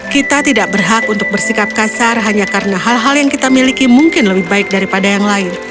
kita tidak berhak untuk bersikap kasar hanya karena hal hal yang kita miliki mungkin lebih baik daripada yang lain